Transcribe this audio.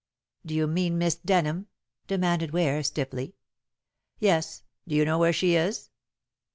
"Do you mean Miss Denham?" demanded Ware stiffly. "Yes. Do you know where she is?"